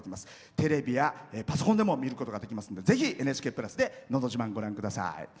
テレビやパソコンでも見ることができますんでぜひ「ＮＨＫプラス」で「のど自慢」ご覧ください。